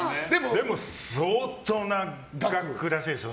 でも、相当な額らしいですよ。